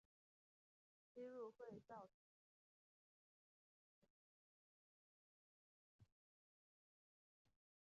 吸入会造成呼吸困难和肺水肿。